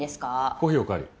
コーヒーおかわり。